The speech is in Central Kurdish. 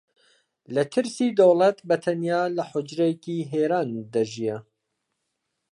لە ترسی دەوڵەت بە تەنیا لە حوجرەیەکی هیران دەژیا